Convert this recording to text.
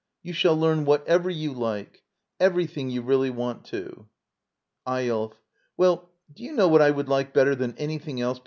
] You shall learn whatever you like — everything you really want to. Eyolf. Well, do you know what I would like better than ans^thing else.